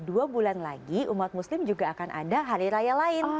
dua bulan lagi umat muslim juga akan ada hari raya lain